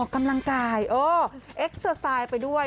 อ๋อกำลังกายเอ็กซ์เซอร์ไซด์ไปด้วย